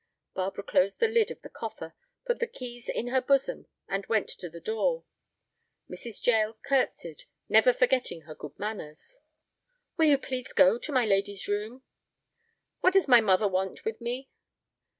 Barbara closed the lid of the coffer, put the keys in her bosom, and went to the door. Mrs. Jael curtesied, never forgetting her good manners. "Will you please go to my lady's room?" "What does mother want with me?"